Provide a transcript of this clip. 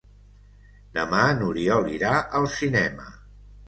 Demà n'Oriol irà al cinema.